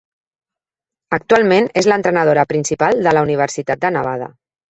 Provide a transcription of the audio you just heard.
Actualment és l'entrenadora principal de la Universitat de Nevada.